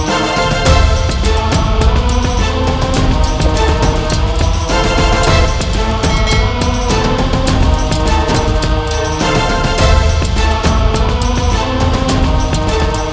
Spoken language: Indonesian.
apa yang dilakukan